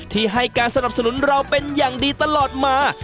ที่ให้การสนับสนุนเราเป็นอย่างดีตลอดมา